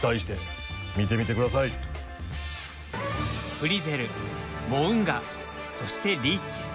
フリゼル、モウンガそしてリーチ。